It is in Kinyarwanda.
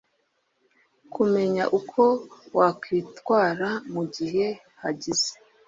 Kumenya uko wakwitwara mu gihe hagize